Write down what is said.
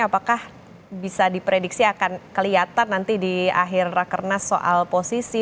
apakah bisa diprediksi akan kelihatan nanti di akhir rakernas soal posisi